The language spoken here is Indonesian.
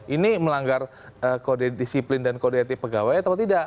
ini melanggar kode disiplin dan kode etik pegawai atau tidak